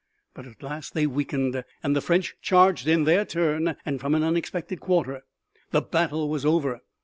But at last they weakened, and the French charged in their turn and from an unexpected quarter. The battle was over.